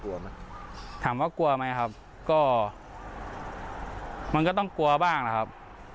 ถามว่ากลัวไหมครับก็มันก็ต้องกลัวบ้างนะครับ